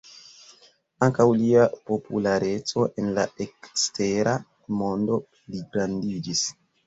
Ankaŭ lia populareco en la ekstera mondo pligrandiĝis.